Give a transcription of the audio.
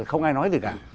không ai nói gì cả